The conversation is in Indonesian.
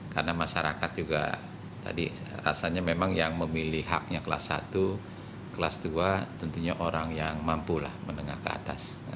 karena masyarakat juga tadi rasanya memang yang memilih haknya kelas satu kelas dua tentunya orang yang mampu lah menengah ke atas